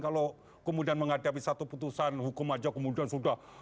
kalau kemudian menghadapi satu putusan hukum aja kemudian sudah